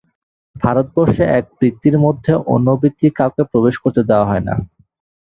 ভারতবর্ষে এক বৃত্তির মধ্যে অন্য বৃত্তির কাউকে প্রবেশ করতে দেওয়া হয় না।